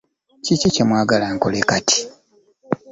Kiki kye mwagala nkole kati?